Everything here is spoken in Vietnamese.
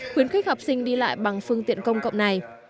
khuyến khích học sinh đi lại bằng phương tiện công cộng này